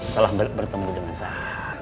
setelah bertemu dengan saya